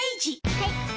はい。